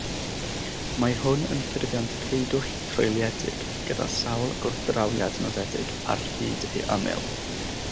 Mae hwn yn ffurfiant ceudwll treuliedig gyda sawl gwrthdrawiad nodedig ar hyd ei ymyl.